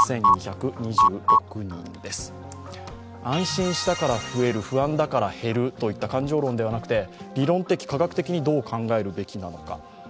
安心したから増える、不安だから減るといった感情論ではなくて理論的・科学的にどう考えるべきなのか。